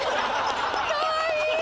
かわいい。